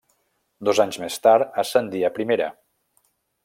Dos anys més tard ascendí a Primera.